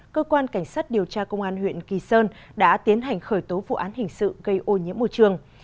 cơ quan cảnh sát điều tra công an huyện kỳ sơn đã tiến hành khởi tố vụ án hình sự gây ô nhiễm môi trường